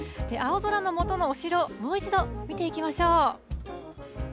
青空の下のお城、もう一度、見ていきましょう。